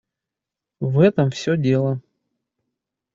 В этом все дело.